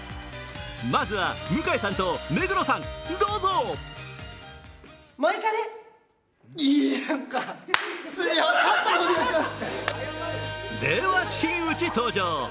まずは向井さんと目黒さん、どうぞでは、真打登場。